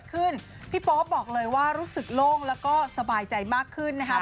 พี่โป๊ปบอกเลยว่ารู้สึกโล่งแล้วก็สบายใจมากขึ้นนะครับ